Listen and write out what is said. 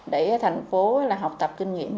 để thành phố học tập kinh nghiệm